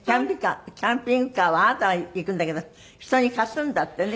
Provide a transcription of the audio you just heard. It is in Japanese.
キャンピングカーはあなたが行くんだけど人に貸すんだってね。